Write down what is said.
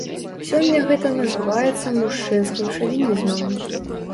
Сёння гэта называецца мужчынскім шавінізмам.